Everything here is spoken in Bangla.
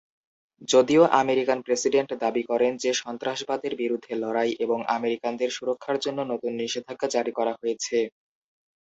যদিও আমেরিকান প্রেসিডেন্ট দাবি করেন যে সন্ত্রাসবাদের বিরুদ্ধে লড়াই এবং আমেরিকানদের সুরক্ষার জন্য নতুন নিষেধাজ্ঞা জারি করা হয়েছে।